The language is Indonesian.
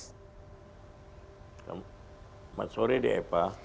selamat sore dea pak